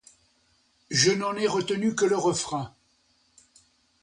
Je n'en ai retenu que le refrain.